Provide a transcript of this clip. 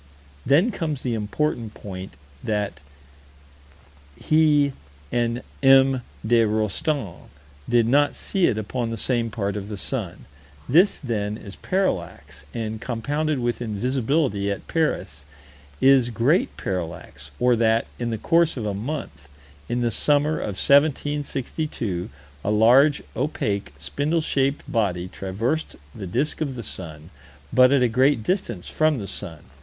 Then comes the important point: that he and M. de Rostan did not see it upon the same part of the sun. This, then, is parallax, and, compounded with invisibility at Paris, is great parallax or that, in the course of a month, in the summer of 1762, a large, opaque, spindle shaped body traversed the disk of the sun, but at a great distance from the sun.